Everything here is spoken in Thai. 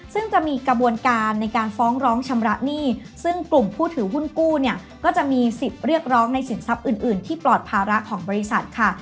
ซึ่งจะมีกระบวนการในการฟ้องร้องชำระหนี้ซึ่งกลุ่มผู้ถือหุ้นกู้เนี่ยก็จะมีสิทธิ์เรียกร้องในสินทรัพย์อื่นที่ปลอดภาระของบริษัทค่ะ